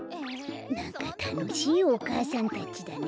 なんかたのしいおかあさんたちだね。